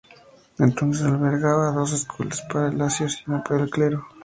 Entonces, albergaba dos escuelas para laicos y una para el clero.